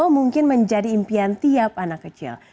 mungkin menjadi impian tiap anak kecil